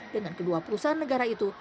dengan kedua perusahaan negara itu